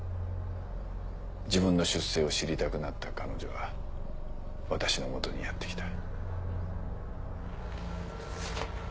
自分の出生を知りたくなった彼女は私の元にやって来た。